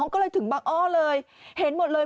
ก็เลยถึงบางอ้อเลยเห็นหมดเลย